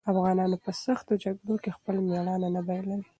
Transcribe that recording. افغانان په سختو جګړو کې خپل مېړانه نه بايلي.